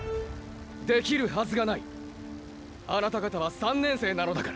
できるはずがないあなた方は３年生なのだから。